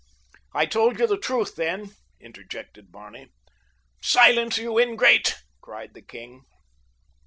"I told you the truth, then," interjected Barney. "Silence, you ingrate!" cried the king.